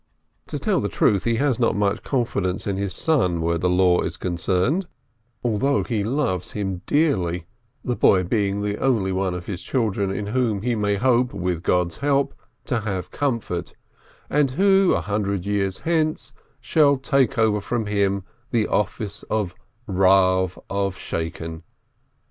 To tell the truth, he has not much confidence in his son where the Law is concerned, although he 437 loves him dearly, the boy being the only one of his chil dren in whom he may hope, with God's help, to have comfort, and who, a hundred years hence, shall take over from him the office of Eav in Saken.